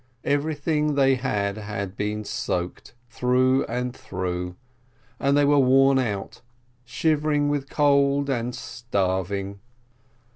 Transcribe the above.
Everything they had had been soaked through and through, and they were worn out, shivering with cold, and starving.